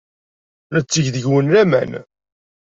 Netteg deg-wen laman.